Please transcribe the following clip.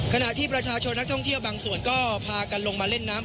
ขณะที่ประชาชนนักท่องเที่ยวบางส่วนก็พากันลงมาเล่นน้ำ